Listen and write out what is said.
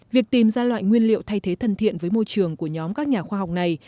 việc tìm ra loại nguyên liệu thay thế thân thiện với môi trường của nhóm các nhà khoa học này